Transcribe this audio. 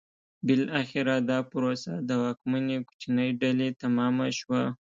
بالاخره دا پروسه د واکمنې کوچنۍ ډلې تمامه شوه.